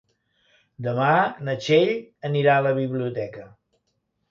Demà na Txell anirà a la biblioteca.